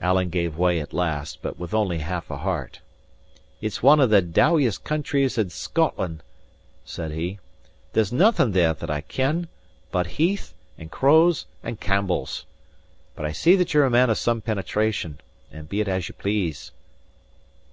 Alan gave way at last, but with only half a heart. "It's one of the dowiest countries in Scotland," said he. "There's naething there that I ken, but heath, and crows, and Campbells. But I see that ye're a man of some penetration; and be it as ye please!"